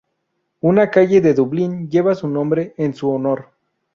Un calle de Dublín lleva su nombre en su honor.